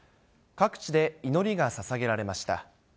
各地で祈りがささげられました。